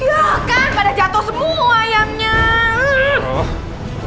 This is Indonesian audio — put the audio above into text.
iya kan pada jatuh semua ayamnya